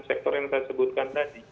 sektor yang saya sebutkan tadi